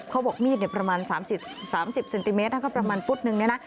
เขาบอกมีดเนี่ยประมาณสามสิบเซนติเมตรนะก็ประมาณฟุตนึงเนี่ยนะ